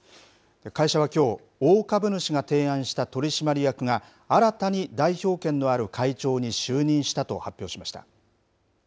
会社はきょう、大株主が提案した取締役が新たに代表権のある会長に就任したと発表しました。